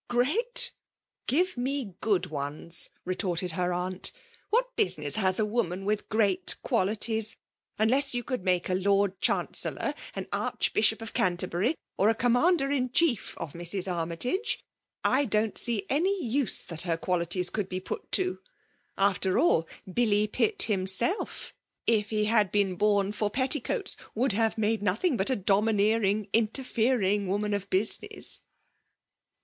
" Great ?— give me good ones !" retorted her aunt. " What business has a woman with great qualities? Unless you could make a Lord Chancellor, an Archbishop of Canterbury, or a Commander in Chief of Mrs. Armytage, I don't see any use that her qualities could be put to ! After all, Billy Pitt himself, if he had been born for petticoats, would have made nothing but a domineering, interfering woman of business